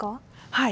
はい。